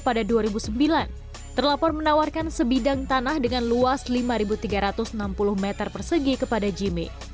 pada dua ribu sembilan terlapor menawarkan sebidang tanah dengan luas lima tiga ratus enam puluh meter persegi kepada jimmy